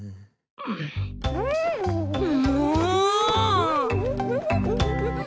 もう！